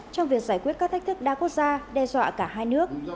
trong việc giải quyết các thách thức đa quốc gia đe dọa cả hai nước